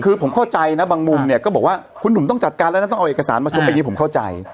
คือผมเข้าใจนะบางมุมเนี่ยก็บอกว่าคุณหนุ่มต้องจัดการแล้วนะต้องเอาเอกสารมาชมอันนี้ผมเข้าใจ